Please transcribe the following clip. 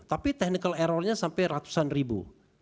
tapi technical errornya sampai ratusan ribu